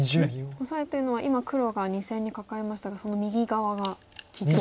オサエというのは今黒が２線にカカえましたがその右側が利いてる。